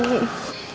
selamat siang bu astri